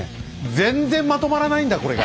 全然まとまらないんだこれが。